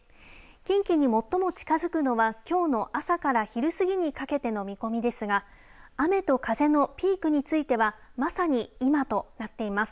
近畿に最も近づくのはきょうの朝から昼過ぎにかけての見込みですが雨と風のピークについてはまさに、今となっています。